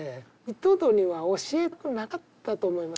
竈馬には教えたくなかったと思います。